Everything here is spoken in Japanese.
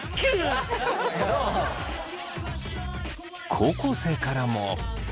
高校生からも。